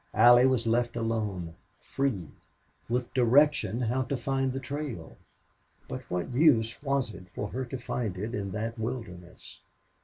Allie was left alone free with direction how to find the trail. But what use was it for her to find it in that wilderness?